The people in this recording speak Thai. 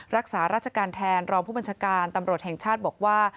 รักษาราชการแทนรองผู้บัญชาการตำรวจแห่งชาติบอกว่า